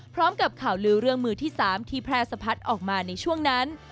พร้อมกับข่าวลือเรื่องมือที่๓ที่แพร่สะพัดออกมาในช่วงนั้น